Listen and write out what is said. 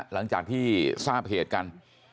หลังจากที่ทราบเหตุกัน